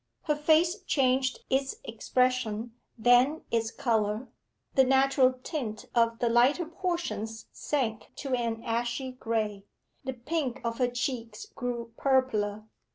Her face changed its expression then its colour. The natural tint of the lighter portions sank to an ashy gray; the pink of her cheeks grew purpler.